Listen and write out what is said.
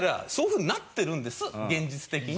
そういうふうになってるんです現実的に。